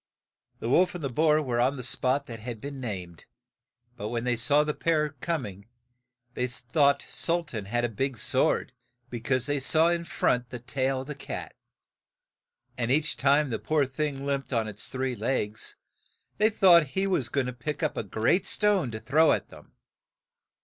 The wolf and the boar were on the spot that had been named, but when they saw the pair coming, they thought Sul tan had a big sword, be cause they saw in front the tail of the cat, and each time the poor thing limped on its three legs, they thought he was go ing to pick up a great stone to throw at them.